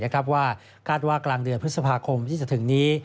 คาดว่ากลางเดือนพฤษภาคมที่จะถึงนี้